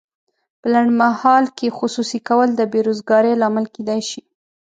په لنډمهال کې خصوصي کول د بې روزګارۍ لامل کیدای شي.